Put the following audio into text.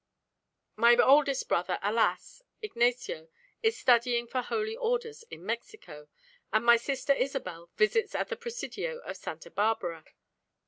My oldest brother, alas Ignacio is studying for holy orders in Mexico, and my sister Isabel visits at the Presidio of Santa Barbara.